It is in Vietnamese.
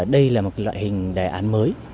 đây là một loại hình đề án mới